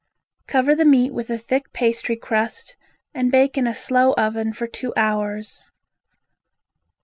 Cover the meat with a thick pastry crust and bake in a slow oven for two hours.